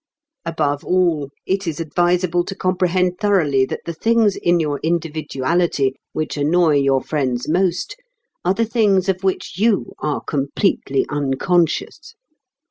Above all it is advisable to comprehend thoroughly that the things in your individuality which annoy your friends most are the things of which you are completely unconscious.